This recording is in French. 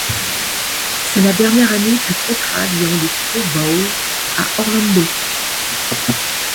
C'est la dernière année du ciontrat liant le Pro Bowl à Orlando.